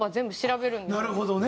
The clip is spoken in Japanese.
なるほどね！